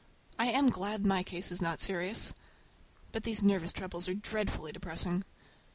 I am glad my case is not serious! But these nervous troubles are dreadfully depressing.